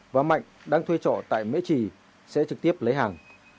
và mạnh đang thuê trọ tại mễ trì sẽ trực tiếp lấy hàng